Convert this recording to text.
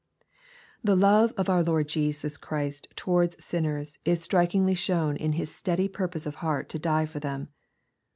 The love of our Lord Jesus Christ towards sinners is strikingly shown in His steady purpose of heart to die for them.